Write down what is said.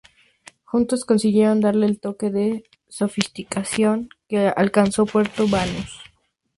Juntos consiguieron darle el toque de sofisticación que alcanzó Puerto Banús.